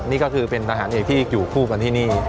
นี่ก็คือเป็นทหารเอกที่อยู่คู่กันที่นี่